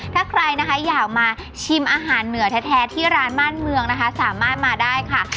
ถ้าใครนะคะอยากมาชิมอาหารเหนือแท้ที่ร้านบ้านเมืองนะคะสามารถมาได้ค่ะ